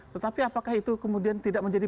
tetapi apakah itu kemudian tidak menjadi